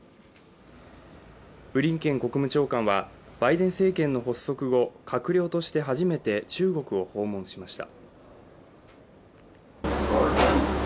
ブリンケン国務長官は、バイデン政権の発足後閣僚として初めて中国を訪問しました。